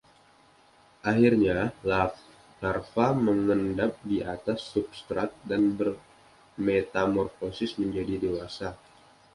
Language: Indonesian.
Akhirnya, larva mengendap di atas substrat dan bermetamorfosis menjadi dewasa.